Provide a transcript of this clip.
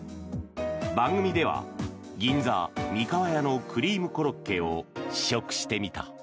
番組では、銀座みかわやのクリームコロッケを試食してみた。